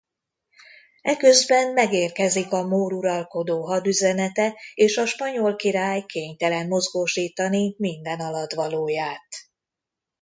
Eközben megérkezik a mór uralkodó hadüzenete és a spanyol király kénytelen mozgósítani minden alattvalóját.